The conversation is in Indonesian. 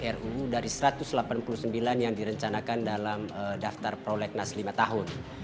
dua puluh tujuh ruu dari satu ratus delapan puluh sembilan yang direncanakan dalam daftar prolegnas lima tahun